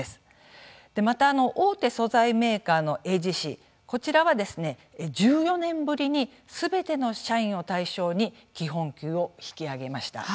また、大手素材メーカーのＡＧＣこちらはですね、１４年ぶりにすべての社員を対象に基本給を引き上げました。